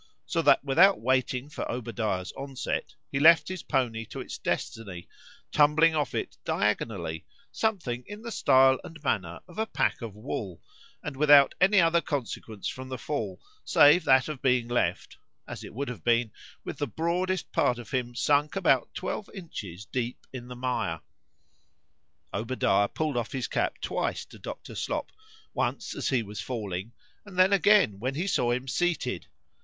So that without waiting for Obadiah's onset, he left his pony to its destiny, tumbling off it diagonally, something in the stile and manner of a pack of wool, and without any other consequence from the fall, save that of being left (as it would have been) with the broadest part of him sunk about twelve inches deep in the mire. Obadiah pull'd off his cap twice to Dr. Slop;—once as he was falling,—and then again when he saw him seated.